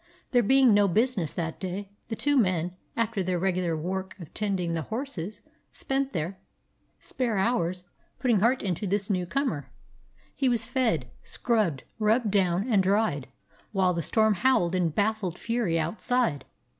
There being no business that day, the two men, after their regular work of tending the horses, spent their 161 DOG HEROES OF MANY LANDS spare hours putting heart into this new comer. He was fed, scrubbed, rubbed down, and dried, while the storm howled in baffled fury outside.